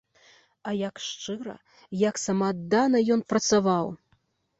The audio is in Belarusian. А як шчыра, як самааддана ён працаваў!